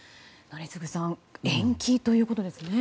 宜嗣さん延期ということですね。